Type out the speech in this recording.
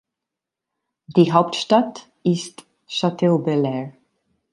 Die Hauptstadt ist Chateaubelair.